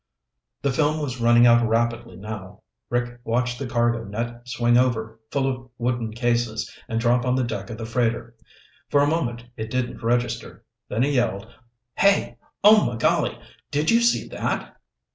The film was running out rapidly now. Rick watched the cargo net swing over, full of wooden cases, and drop on the deck of the freighter. For a moment it didn't register, then he yelled. "Hey! Ohmigolly! Did you see that?"